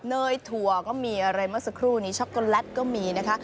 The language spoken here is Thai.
เนยถั่วก็มีอะไรเมื่อสักครู่นี้ช็อกโกแลตก็มีนะคะ